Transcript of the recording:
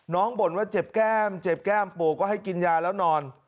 บ่นว่าเจ็บแก้มเจ็บแก้มปู่ก็ให้กินยาแล้วนอน